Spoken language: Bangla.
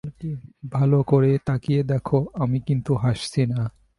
ভালো করে তাকিয়ে দেখ, আমি কিন্তু হাসছি না।